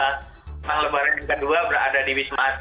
memang lebaran yang kedua berada di wisma atlet